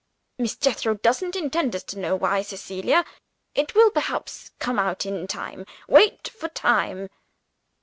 "Miss Jethro doesn't intend us to know why, Cecilia. It will perhaps come out in time. Wait for time."